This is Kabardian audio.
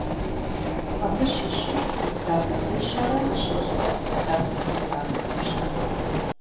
Абы щыщу гектар минищэрэ щэщӏрэр нартыхум иратынущ.